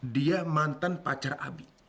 dia mantan pacar abi